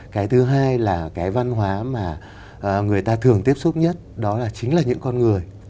cái thứ hai là cái văn hóa mà người ta thường tiếp xúc nhất đó là chính là những con người